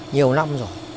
nhiều năm rồi